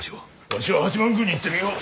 わしは八幡宮に行ってみよう。